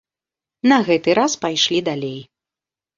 На гэты раз пайшлі далей.